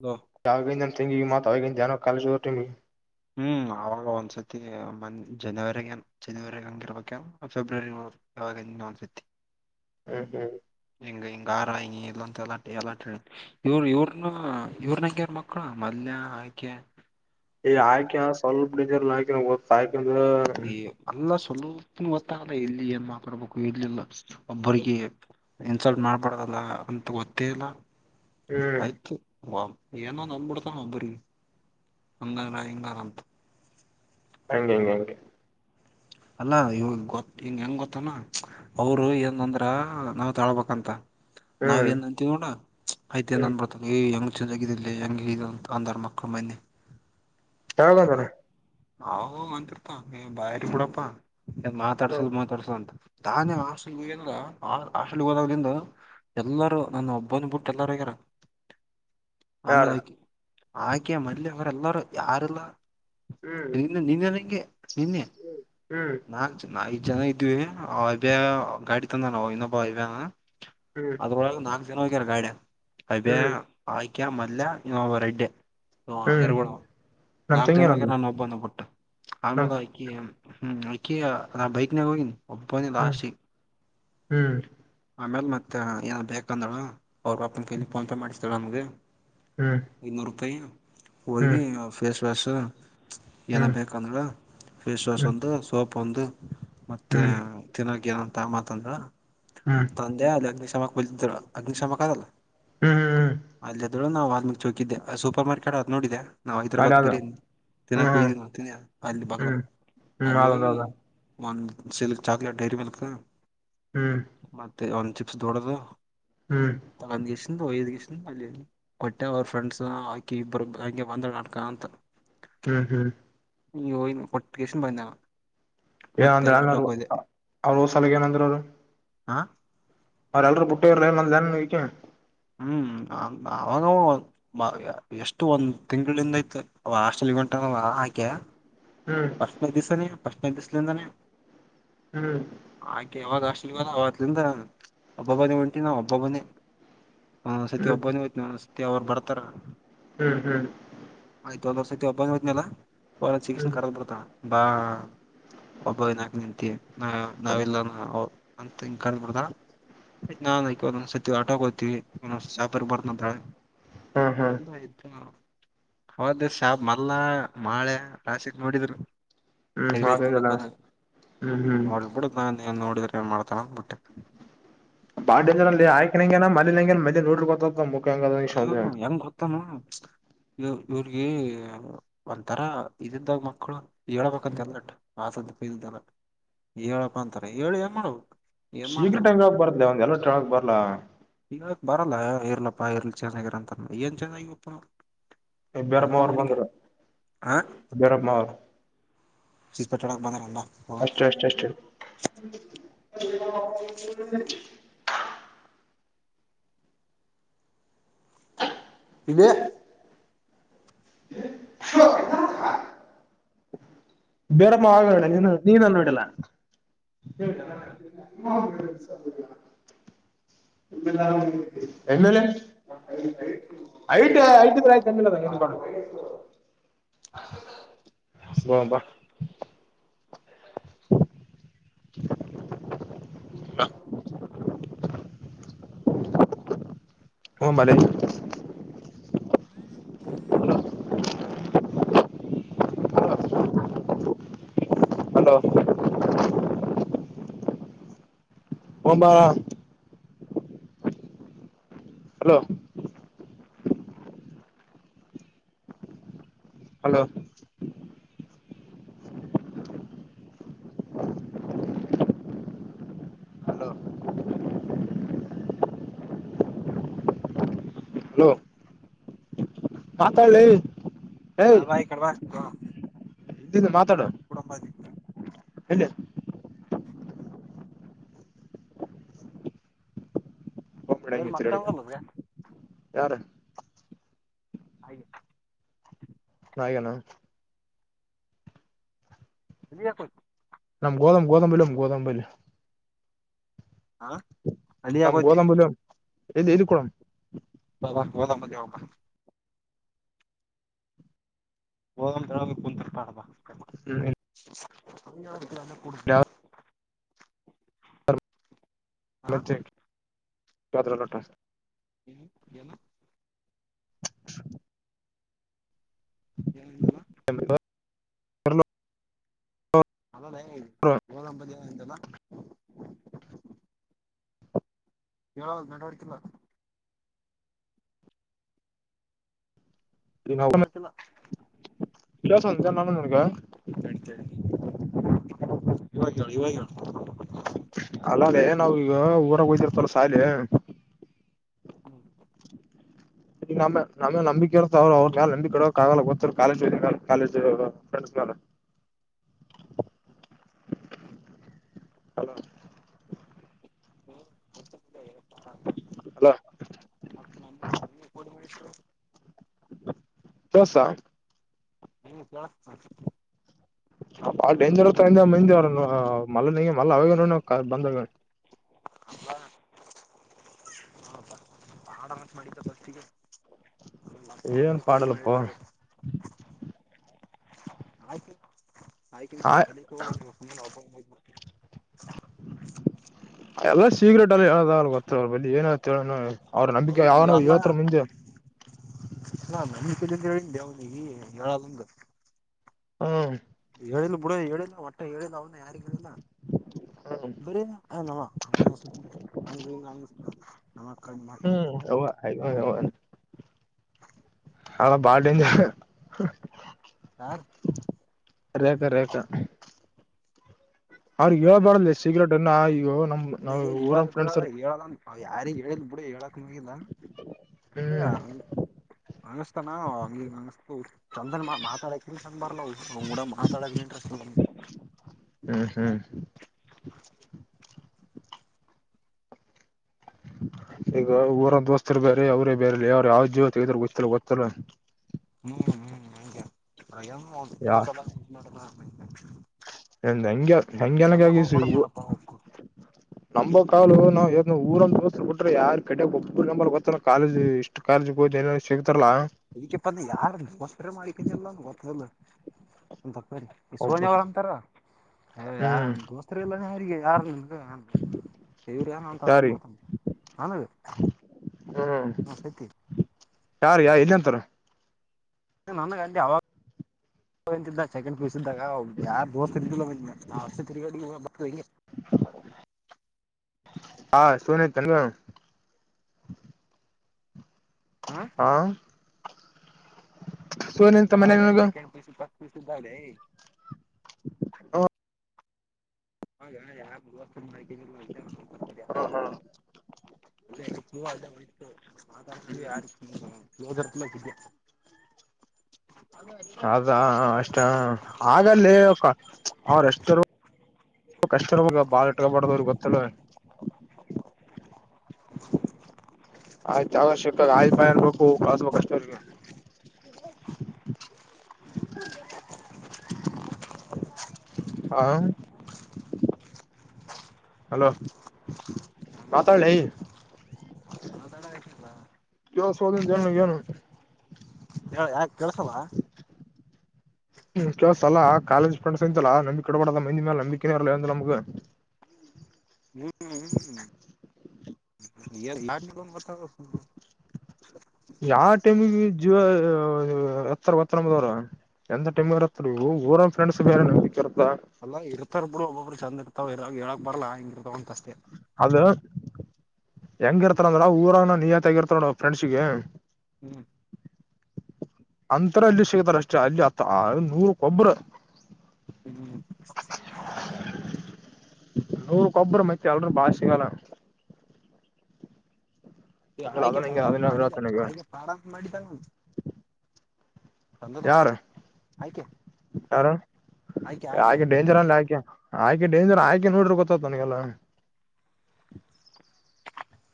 ಅದು ಯಾಗಿಂದ ತೆಂಗಿವ ಮಾತ ನಾನೇ ಕಾಲೇಜಿಗ್ ಹೊಂಟೀನಿ ಹ್ಮ್ ಅವಾಗ ಒಂದ್ಸತಿ ಮ ಜನವರಿ ಜನವರಿ ಹಂಗಿರ್ಬೇಕ ಏನ್ ಫೆಬ್ರವರಿ ಆಂಗ್. ಅವಾಗ ಇನ್ನೊಂದ್ಸತಿ. ಹ್ಮ್ ಹ್ಮ್ ಗಾರ ಹಂಗ ಇಲ್ಲಂತ ಎಲ್ಲಾ ಎಲ್ಲಾ ಹೇಳ ಇವರು ಇವ್ರನು ಇವ್ರ ಅಂಗೆ ಆರ ಮಕ್ಕಳು ಮಲ್ಯ. ಆಕ್ಯಾ. ಆಕ್ಯಾ ಸ್ವಲ್ಪ ಡೇಂಜರ್ ಇಲ್ಲ ನಂಗ್ ಆ ಗೊತ್ತ [unintelligible] ಸ್ವಲ್ಪನು ಗೊತ್ತಾಗಲ್ಲ ಎಲ್ಲಿ ಏನ್ ಮಾತಾಡ್ಬೇಕು ಎಲ್ಲಿಲ್ಲ [unintelligible] ಒಬ್ಬಿಗೆ ಇನ್ಸಲ್ಟ್ ಮಾಡ್ಬದಲ್ಲ ಅಂತ ಗೊತ್ತೇ ಇಲ್ಲ ಹ್ಮ್ ಆಯ್ತು. ಏನನ ಅಂದ ಬಿಡ್ತನ ಒಬ್ರಿಗಿ ಅಂಗಾನಾ ಇಂಗಾನಾ ಅಂತಾ. ಹಂಗೆ ಹಂಗಗೆ ಹಗೆ. ಅಲ್ಲಾ ಇವ್ರು ಗೊತ್ ಹಿಂಗ ಹೆಂಗ್ ಗೊತ್ತನಾ ಅವರು ಏನಂದ್ರ ಹ ನಾವ್ ತಾಳ್ಬೇಕಂತ ನಾವ್ ಹ್ಮ್ ಏನ್ ಅಂತೀವಿ ನೋಡ ಆಯ್ತ ಹ್ಮ್ ಏನಂದ್ಬತ ಹೇ ಎಂಗ್ [unintelligible] ಹೆಂಗ ಲೇ ಅಂದಾರಮಕ್ಳು ಮೊನ್ನೆ ಯಾವಾಗಂದಾರ. ಅವಾಗ ಅವಾಗ ಅಂತೀರ್ಥರ ನೀನ್ ಬಾರಿ ಬಿಡಪ್ಪ ಹ್ಮ್ ಮಾತಾಡ್ಸಿದ್ರೆ ಮಾತಾಡ್ಸಲ್ಲ ಅಂತ. ತಾನ್ಯ ಹಾಸ್ಟೆಲ್ ಮುಗ್ಯಲಿಂದ ಆ ಹಾಸ್ಟೆಲ್ ಹೋಗ್ಯಾಲಿಂದ. ಎಲ್ಲಾರೂ ನನ್ನ ಒಬ್ಬನ ಬಿಟ್ಟ ಎಲ್ಲಾರ ಹೋಗ್ಯರ. [inaudible] ಆಮೇಲೆ ಯಾರು ಅದ್ ಆಕ್ಯಾ ಮಲ್ಯ ಅವರ್ ಎಲ್ಲರೂ ಅವರೆಲ್ಲಾರೂ ಯಾರಿಲ್ಲ. ಹ್ಮ್ ಡೈಲಿ ನಿನ್ನೆದಂಗೆ ನಿನ್ನೆ ಹ್ಮ್ ನನಾವ್ ಐದ್ ಜನ ಇದ್ವಿ ಅಬ್ಯ ಗಾಡಿ ತಂದಾನ ಅವ ಇನ್ನೊಬ ಅಬ್ಯನಾ. ಹ್ಮ್ ಅದ್ರೊಳಗೆ ನಾಕ್ ಜನ ಹೋಗ್ಯಾರ ಗಾಡಿಗ್ಯಾ ಅಬ್ಯ ಹ್ಮ್ ಆಕ್ ಆಕ್ಯಾ ಮಲ್ಯ ಇವ ರಡ್ಯ. ಹ್ಮ್ [unintelligible] ನಮ್ ನಾಕ್ ತಂಗಿ ಜನ ಹೋಗ್ಯರ ಏನಂದ್ಲ ನಾನ್ ನ ಒಬ್ಬೋನ್ನ ಬಿಟ್ಟು ನಮ್ ಆಮೇಲೆ ಆಕಿ. ಹ್ಮ್ ಆಕಿ ಅದ ಬೈಕ್ನಾಗ ಹೋಗಿನಿ. ಒಬ್ಬನೇ ಹ್ಮ್ ಲಾಸ್ಟಿಗೆ ಹ್ಮ್ ಆಮೇಲೆ ಮತ್ ಮ ಏನ ಬೇಕು ಅಂದಳು ಅವ್ರ ಅಪ್ಪನ ಕೈಯಲ ಫೋನ್ಪೇ ಮಾಡಿಸ್ತಳ ನಮಗ. ಹ್ಮ್ ಇನ್ನೋರುಪೈ. ಹ್ಮ್ ಹೋಗಿ ಫೇಸ್ ವಾಶ್ ಏನ ಹ್ಮ್ ಬೇಕಂದ್ಲು ಫೇಸ್ ವಾಶ್. ಹ್ಮ್ ಒಂದು ಸೋಪ್ ಒಂದು ಹ್ಮ್ ಮತ್ತೆ ಹ್ಮ್ ತಿನ್ನೋಕ ಏನಂತ ತಾಂಬ ಅಂತಂದ. ಹ್ಮ್ ತಂದೆ ಅಲ್ಲಿ ಅಗ್ನಿಶಾಮಕ ಬಲ್ಲಿ ಅಗ್ನಿಶಾಮಕ ಅದಲ್ಲ ಹ್ಮ್ ಅಲ್ಲೇ. ಇದ್ದಳು ನಾನ್ ವಾಲ್ಮೀಕಿ ಚೌಕಿದ್ದೆ ಸೂಪರ್ ಮಾರ್ಕೆಟ್ ಆದ ನೋಡಿದೆ. ನಾವು ಅದ ಹೈದ್ರಾಬಾದ ಅದು ಬಿರಿಯಾನಿ ಹ್ಮ್ ತಿನ್ನಕ ಹೋಗಿದ್ವಲ್ಲ ಅಲ್ಲಿ ಬಂದ್ಲು. [unintelligible] ಒಂದ ಸಿಲ್ಕ್ ಚಾಕ್ಲೇಟ್ ಡೈರಿ ಮಿಲ್ಕ್ ಹ್ಮ್ ಮತ್ತೆ ಒಂದ್ ಚಿಪ್ಸ್ ದೊಡ್ಡದು. ಹ್ಮ್ ತಂದು ಗೆಸಿಂದ ಹೊಯ್ಡ್ಗೆಸಿಂದ ಆಲ್ ಕೊಟ್ಟೆ ಅವ್ರ ಫ್ರೆಂಡ್ಸ್ ಹಾಕಿ ಇಬ್ಬರು ಹಂಗೆ ಬಂದಳ ನಡ್ಕಕಾಂತ. ಹ್ಮ್ ಹ್ಮ್ ಇಂಗೆ ಹೋಗ ಕೊಟ್ಟ ಕೇಸಿಂದ ಬಂದೆ ನಾನ್ ಏನ ಅಂದ್ರೇನ್ ಅವ್ರಅವ್ರ [unintelligible] ಸಲಗ ಏನಂದ್ರ ಅವರು. ಹಾ. ಅವ್ರಲೇಲ್ರು ಬುಟ್ಟು ಹೋಗಿದ್ರು ಏನಾದ್ರೂ ಅಂದ್ರೇನು ಅಂದ್ಲು ಏನ್ ಇಕಿ. ಹ್ಮ್ ಅವಾಗ ಒಂದ್ ಎಷ್ಟು ಒಂದ್ ತಿಂಗಳಿಂದ ಆಯ್ತ್ ಅವ ಹಾಸ್ಟೆಲ್ಗೆ ಹೊಂಟ ಅವ ಆಕ್ಯಾ ಹ್ಮ್ ಫಸ್ಟ್ನೆ ದಿವಸನ ಫರ್ಸ್ಟ್ನೆ ದಿವಸಲಿಂದಾನೆ. ಹ್ಮ್. ಅಕಿ ಯಾವಾಗ ಹಾಸ್ಟೆಲ್ ಗೆ ಹೊಂಟಲ ಅವತ್ತಿಂದ ಒಬ್ಬೋನೇ ಹೊಂಟಿನಿ ನಾನ್ ಒಬ್ಬೊನೆ. ಒಂದು ಸತಿ ಹ್ಮ್ ಒಬ್ಬನೋಯ್ತು ಒಂದೊಂದು ಸತಿ ಅವ್ರು ಬರ್ತಾರ. ಹ್ಮ್ ಹ್ಮ್ ಹ್ಮ್ ಆಯ್ತ ಒಂದು ವರ್ಷಕ್ಕೆಬ್ಬಂಗತ್ನಲ್ಲ. ಒ ಹ್ಮ್ ಚಿಸ ಕ ಬ. ಬಾ ಒಬ್ಬ ದಿನಕ ನಿಂತ ನ ನಾವೆಲ್ಲ. ಅಂತ ಇಂಗ ಕನ್ಬಡದ. ನಾನ್ ಒಂದೊಂದ್ ಸತಿ ಆಟೋ್ತೀವಿ ಒಂದೊಂದ ಸಾಫ ಬರ್ದ್ರೆ. ಹ್ಮ್ ಬಂದ ಹ್ಮ್ ಆಯ್ತಾ. ಹೌದ ಶ ಮಲ್ಲ ಮಳೆ ರಾಶಕ್ ನೋಡಿದ್ರು. ಎಗ್ರಸ್ ಹಾಗಲ್ಲ ತಿಿನದ ಹ್ಮ್ ಹ್ಮ್ ನೋಡ್ಬಡ ನೋಡಬೇಕ. ಮಾಡ್ತಳ ಬಿಟ್ಟೆ. ಬಾಡನಲ್ಲಿ ಆಯಕ ನಂಗನ ಮ ನಂಗ ಮೇ ನೋಡ್ ಗೊತ. ಹ್ಮ ಹೆಂಗ್ ಗೊತ್ತಮ್ಮ. ಇ ಇವ್ರಿಗೆ ಒಂಥರ ಇದಂದಾಗ ಮಕ್ಕಳು. ಹೇಳಳ್ಬಂತ ಎಲ್ಲಟ್ಟ ಆಸ್ದ ಪಲ್್ದಲ್ಲ ಹೇಳಪ್ಪ ಅಂತಾರೆ ಹೇಳಿ ಏನ್ ಮಾಡ್ು. ಶೀಘ್ರಟಂಗ ಬರ್ ಒಂದ್ ಎಲ್ಲ ಟಕ್ ಬರ್ಲಾ. ಈಗ ಬರಲ್ಲ ಇರ್ಲಪ್ಪಾ ಇರ್ಲಿ ಚೆಂದಾಗಿರಂತಲ್ಲ ಏನ್ ಚೆಂದಾಗಿವಪ್ಪ. ಬೇರಮ್ಮ ಅವರು ಬಂದರು ಬೇರಮ್ಮ ಅವರು. ಚೀಸ್ಪಟ್ಟಾಡಕ್ ಬಂದಕೊಂಡ. ಅಷ್ಟ ಅಷ್ಟ ಅಷ್ಟ ಹ. ಇಲ್ಲಿ ಹ ಬೆರಮ್ಮ ನೀ ನೀ ನನ್ನ ಬಿಡಲ್ಲ ಹೇಳೇಿದಾ ನಾನ ಎ ಎ. ಐತ ಐತಿದ್ರೆ ಆಯ್ತು ತಮ್ಮಿಲ್ಲದ ಏನ್ ಮಾಡೊಂಡ ಹ. ಹಲೋ ಹ್ಮ ಮನೆ. ಹ ಸರಿ. ಅಲೋ. ಒಂಬ. ಹಲೋ. ಹಲೋ. Hello hello. ಮಾತಾಳ್ಳಿ. ನಾ ಭಾಯ್ ಕಡವಾ. ಇದ. ಕುಡಂಬಾಜಿ. ಹೇಳಲ್ಲ. ಹಾ ಅಲ್ ಮಕ್ಕಂಗಲ್ಲದ ಯಾರು ಹಾಗೆ ಹಾಗಣ ತಿನಿಯ ಕೊ ನಮ್ ಗೋದ್ ಗೋದಂಬಲಮ ಗೋದಂಬಲ್ ಹಾ ನಮ್ಮ ಗೋದಂಬುರ ಎದು ಇಕಳ ಹ ಒದ ಮಾವ ಬ ಹೋಗ ಕುಂತರ್ ಪಾಬ ಹ್ಮ್ ಅದಕ್ಕೆಲ್ಲ ಕೊಡ ಹ [inaudible] ಹ್ಮ್ ಏನು [inaudible] ಹೆನ್ ಅಂದಲ್ಲ ಕಲ [unintelligible] ಅಲ್ಲಲ್ಲ ಗೋದಂಬ ದೇ ಎಂತಲ್ಲ ಹೇಳದು ನೆಟ್ವರ್ಕ್ ಕಿಲ್ಲ ನೆಟ್ವರ್ಕ್ ಇಲ್ಲ [unintelligible] ನಡ್ತ ಇವಾಗ ಹೇಳು ಇವಾಗ ಹೇಳು ಅಲ್ಲೇ ನಾವ್ ಈಗ ಊರಾಗ ಹೋಯ್ತಿರ್ತಲ್ಲ ಸಾಲಿ ಹ್ಮ ಈಗ ನ ನೇ ನಂಬಿಕ ಇರ್ತ ಅವರು ಅವ್ರ ನಂಬಿ ಕೊಡೋಕ ಆಗಲ್ಲ ಗೊತ್ತರು ಕಾಲೇಜ್ ಕಾಲೇಜ್ ಹ ಹಲೋ ಅಲ್ಲ [unintelligible] ಹ ಕಳಿಸ್ತಾ ಹ್ಮ ಕೇಳುತ್ತದೆ ಬಾಳ ಡೇಂಜರ್ ಮಲ್ಲನ ಮಲ್ಲ ಅವಾಗ ಬಂದಾಗ [inaudible] ಹಬ ಹಾಡ ಮಾಡಿದಸ್ಗ [unintelligible] ಏನ್ ಅ ಹೋಳಿ ಪಾಡಲ್ಲಪ್ಪ ಮಾಡಿಟ್ರು ಆಯ್ಕ ಆ ತುಬ್ಬ [unintelligible] [inaudible] ಎಲ್ಲಾ ಸೀಕ್ರೆಟ್ ಅಲ್ಲಿ ಹೇಳ ಗೊತ್ತ ಬಿ ಏನ ಹೇಳ ಅವ್ರ ನಂಬಿಕೆ ಯಾವನೋ ಇವತ್ರ ಮುಂದೆ ನಾ ನನ್ನ ಕಲಂತ ಹೇಳೆ ಅವನಿಗೆ ಹೇಳಲ್ಲಂದ ಹ್ಮ ಹೇಳಿಲ್ಲ ಬಿುಡ ಹೇಳಿಲ್ಲ ಒಟ್ಟೆ ಹೇಳಿಲ್ಲ ಅವನ ಯಾರಿಗ್ ಹೇಳಿಲ್ಲ ಹ [unintelligible] [inaudible] ಅ ಬಾಳ ಡೇಂಜರ್ ಯಾರು ರೇಖಾ ರೇಖಾ ಅವ್ರಿಗೆ ಹೇಳೇಳ್ಬಾರ್ದೇ ಸಿಗ್ರೆಟ್ನ್ನು ಅಲ್ಲ ಹೇಳ ಬಿ ಹೇಳದ ಯಾರಿಗ ಹೇಳಿದ ಬಿಡಿ ಹೇಳಕ್ ಹಗಿಲ್ಲ ಅಷ್ಟೇ ಹ್ಮ್ ಅಂಗಿಸ್ತಾನ ಹಂಗಿ ಅಂಗತ ಚಂದನ್ ಮಾ ಮಾತಾಡಕ ಚಂದ ಬಾರಲ ಅವ್ ಕೂಡ ಮಾತಾಡದ್ರಿ [inaudible] ಹ್ಮ್ ಹ್ಮ್ ಈಗ ಊರಂದ ದೋಸ್ತರು ಬೇರೆ ಅವರೇ ಬೇರೆಲ್ಲ ಯ್ರ ಯಾವ ಗೊತ್ತಲ್ಲ ಗೊತ್ತಲ್ಲ [unintelligible] ಹ್ಮ್ ಹ್ಮ್ ಹಾಗ ಮಾಡ [unintelligible] ಎ ಹಂಗಗೆ ನಮ್ಮಕ್ ಹಂಗಗೆನಗಗಿಸಿ ಹೋಗ್ಬಡದ್ ಹೂ ನೋಡಪ್ಪಾ ಒಬ್ಬ ನಂಬೋ ಕಾಲು ನಾವ್ ಊರಂತ ಬಿಟ್ರ ಯಾರ್ ಕಡೆ ಒಬ್ಬು ನಂಬರ್ ಗೊತ್ತ ಕಾಲಜ್ ಇಷ್ಟು ಕಾಲೇಜ್ ಹೋನ ಇದಕ್ಕೆಪ್ಪಂದ ಯಾರಸ್ ಮಾಡಿಕನ ಎಲ್ಲ ಗೊತ್ತಲ್ಲ ಒ ಸರಿ ಈ ಒಬ್ಬ ಸೋನಿಯ ಅವರ ಅಂತಾರ ಹ ಯಾರ ಹ್ಮ್ ದೋಸ್ತರುಲ್ಲಾನ ಯಾರಿಗೆ ಯಾರ ಇವ್ರ ನ ತಂದ ಯಾರಿ ಮಾಡ್ತ ನನ್ ಹ್ಮ್ ಯಾರ ಯ ಎಲ್ಲಿ ಅಂತಾರ ನ ಗಂಗೆಂಡ್ ಪ ಯಾರ ದೋಸಲ್ಲ ನಾ ವರ್ಷ ತಿಗ ಬ ಹಾ ಸುನ ನ್ ಹ ಹಾ ಸುನೆ ಎಂತ ಮನ ನಿನಗ ಸಿದ್ದ ಅದೆ ಹ ಹ ಯ ಮಾಡ್ಕತಾರೆ ಯಾರು ಅಲ್ಲೆರೂ ಅಲ್ಲೇ ಹೊಯತು ಮಾತಾಡ್ತೀವಿ ಯಾರ ಯೋರತ್ನ ಅ [inaudible] ಅದಾ ಅಷ್ಟ ಹಾಗಲ್ಲಿ ಅವ್ರಷ್ಟ ಕಷ್ಟ ಬಾ ಇಟ್ಕಬಡದ ಅವ್ರಿಗೆ ಗೊತ್ತಲ್ಲ [inaudible] ಆಯ್ತ ಅವಶ್ಯಕ ಆಯ್ ಪಾಯ ಅನ್ಬೇಕು ಕಳ್ಸ್ಬೇಕು ಅಷ್ಟೇ ಅವ್ರಿಗೆ ಹ ಹಲೋ ನ ಮ ಮಾತಾಡ್ಲಿ ನ ತಡಲ [unintelligible] ಯವ ಸೋಧ ಜನು ನು ಹೇಳ ಯಾ ಕಳ್ಸಲ್ಲ ಹ್ಮ ಕೆಲವಸ ಅಾ ಕಾಲೇಜ್ ಫ್ರೆ್ಸ್ ಅಂತಲ್ಲ ನಂಬಿಕಿ ಕಡಬಡದ ಮಂದಿ ಮೇಲೆ ನಂಬಿಕೆೇ ಇಲ್ಲಮಗ ಹ್ಮ್ ಹ್ಮ್ ಹ್ಮ ನ [inaudible] ಯಾವ ಟೈಮಿಗೆ ಜ ಎತ್ತರ ಗತ್ತ ನದವ್ ಎಂತ ಟೀಮ್ ಇರತ್ ಊರ ಫ್ರೆಂಡ್ಸ್ ಬೇರೆ ನ ಇ ಅಲ್ಲ ಇರ್ತಾರ ಬಿಡು ಒಬ್ಬಬ್ರು ಚಂದ ಇರ್ವ ಇರಾಗ ಹೇಳಕ್ ಬರ್ಲ್ಲ ಹಂಗ ಇರ್ತವ ಅಂತ ಅಷ್ಟೇ ಅದು ಹೆಂಗ [unintelligible] ಊರ ನ ನೀಯತ್ಗರ್ತ ನೋಡ ಫ್ರೆ್ಸಗೆ ಹ್ಮ್ ಅಂರ ಅಲ್ಲಿ ಸಿಗ್ತಾರ ಅಷ್ಟೇ ಅಲ್ಲಿ ಅತ್ತ ನೂರ ಕೊಬ್ಬರು ಹ್ಮ್ ನೂರು ಕೊಬ್ಬರ ಮೈತ್ ಎಲ್ೂ ಭಾಷಗಾಲ ನೀ ಆಯ್ಕೆ ಪ್ರಾರಂಸ ಅದನ್ನ ಮಾಡಿದ್ದ ಹೇಳ್ತ ನನಗೆ ಆಯ್ಕೆ ಪ್ರಾರಂಸ ಮಾಡಿದ್ದ ನ ಯಾರು ಆಯ್ಕೆ ಯಾರು ಆಯ್ಕೆ ಆಯ್ಕೆ ಯಾಕೆ ಡೇಂಜರ್ ಅಲ್ಲ ಯಾಕೆ ಆಯ್ಕೆ ಡೇಂಜರ್ ಆಯ್ಕೆ ನೋಡ್ರಿ ಗೊತ್ತತ್ ನನಗೆಲ್ಲ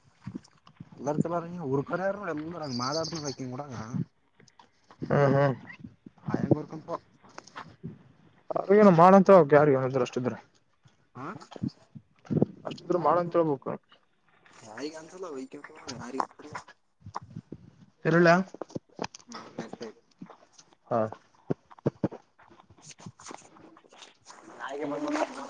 [inaudible] ಎಲ್ಲರ್ಕ್ಕ ಎಲ್ಲ ಉಪರ ಯಾರ ಎಲ್ಲ ಮಾದಾಡ್ ಬಕ್ಕ ಕೂಡ ಹ್ಮ್ ಹ್ಮ್ [inaudible] ಆಯಂಗರ್ಕಂತ ಅವ್ರ ನ ಮಾಡಂತ ಹೋಗಕ ಯಾರಿಗ ಏನ ಇದ್ರರುಷ್ಟ ಇದ್ರೆ ಹ ಅಷ್ಟಿದ್ರು ಮಾಡ ಅಂತ ಹೇಳ್ಬೇಕು ಯಾರಿಗೆ ಕಾಣಸಲ್ಲ ವ ಯಾರ [inaudible] ಇರ್ಲ್ಯಾ ಹ್ಮ ಆಯ್ತ ಆಯ್ತು ಹಾ [inaudible] ಆಯ್ಕೆ ಹಾಗೆ ಬಂದ